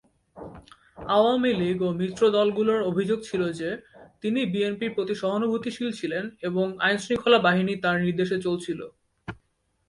আওয়ামী লীগ ও মিত্র দলগুলোর অভিযোগ ছিল যে, তিনি বিএনপির প্রতি সহানুভূতিশীল ছিলেন এবং আইন-শৃঙ্খলা বাহিনী তার নির্দেশে চলছিল।